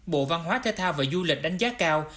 bộ văn hóa thể thao và du lịch đánh giá cao